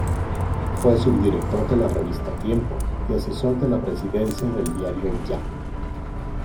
Fue subdirector de la revista "Tiempo" y asesor de la presidencia del diario "Ya".